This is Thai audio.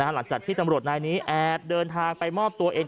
หลังจากที่ตำรวจนายนี้แอบเดินทางไปมอบตัวเอง